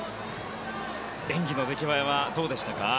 演技の出来栄えはどうでしたか？